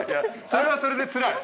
それはそれでつらい。